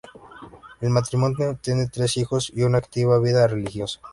El matrimonio tiene tres hijos y una activa vida religiosa.